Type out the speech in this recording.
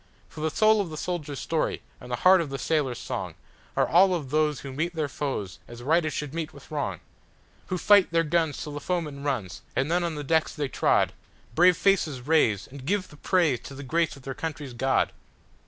For the soul of the soldier's story and the heart of the sailor's songAre all of those who meet their foes as right should meet with wrong, Who fight their guns till the foeman runs, and then, on the decks they trod, Brave faces raise, and give the praise to the grace of their country's God!